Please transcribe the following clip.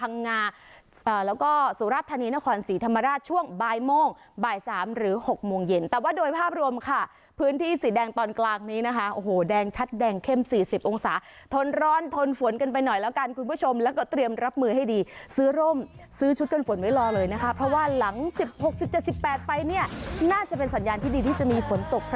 แล้วก็สุรธานีนครศรีธรรมราชช่วงบ่ายโมงบ่ายสามหรือ๖โมงเย็นแต่ว่าโดยภาพรวมค่ะพื้นที่สีแดงตอนกลางนี้นะคะโอ้โหแดงชัดแดงเข้ม๔๐องศาทนร้อนทนฝนกันไปหน่อยแล้วกันคุณผู้ชมแล้วก็เตรียมรับมือให้ดีซื้อร่มซื้อชุดกันฝนไว้รอเลยนะคะเพราะว่าหลัง๑๖๑๗๑๘ไปเนี่ยน่าจะเป็นสัญญาณที่ดีที่จะมีฝนตก